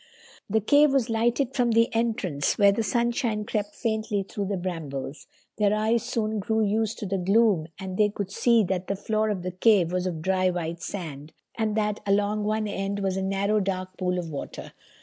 The cave was lighted from the entrance where the sunshine crept faintly through the brambles. Their eyes soon grew used to the gloom and they could see that the floor of the cave was of dry white sand, and that along one end was a narrow dark pool of water.